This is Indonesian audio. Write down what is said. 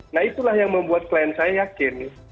nah itulah yang membuat klien saya yakin